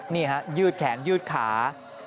นี่ฮะยืดแขนยืดขา